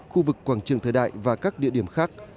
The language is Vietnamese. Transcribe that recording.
khu vực quảng trường thời đại và các địa điểm khác